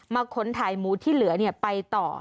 ขนถ่ายหมูที่เหลือไปต่อ